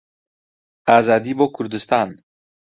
ئازادی بۆ کوردستان!